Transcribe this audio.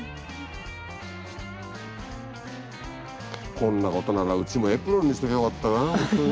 こんなことならうちもエプロンにしときゃよかったなほんとに。